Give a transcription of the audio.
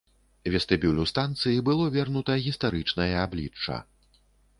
Вестыбюлю станцыі было вернута гістарычнае аблічча.